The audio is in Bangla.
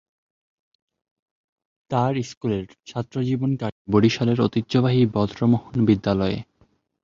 তার স্কুলের ছাত্রজীবন কাটে বরিশালের ঐতিহ্যবাহী ব্রজমোহন বিদ্যালয়ে।